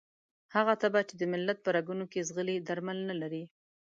هغه تبه چې د ملت په رګونو کې ځغلي درمل نه لري.